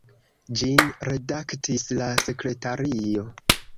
Ĝin redaktis la sekretario.